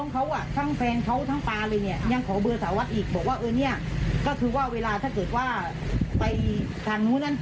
เขาทั้งปลาเลยเนี่ยยังขอเบอร์สาวรรค์อีกบอกว่าเออเนี่ยก็คือว่าเวลาถ้าเกิดว่าไปทางโน้นนั่น